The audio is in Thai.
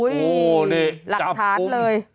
โอ้โหเปิ้ลหลักฐานเลย